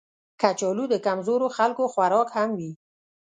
کچالو د کمزورو خلکو خوراک هم وي